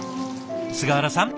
菅原さん